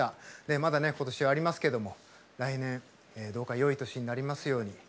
まだ、ことしはありますけれど来年どうかよい年になりますように。